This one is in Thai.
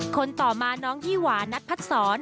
คนต่อมาน้องยี่หวานัทพัดศร